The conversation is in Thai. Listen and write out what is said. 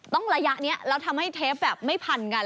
ระยะนี้แล้วทำให้เทปแบบไม่พันกัน